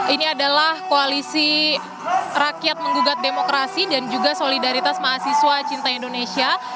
ini adalah koalisi rakyat menggugat demokrasi dan juga solidaritas mahasiswa cinta indonesia